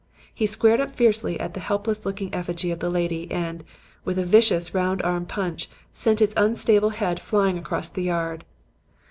He squared up fiercely at the helpless looking effigy of the lady, and, with a vicious, round arm punch, sent its unstable head flying across the yard.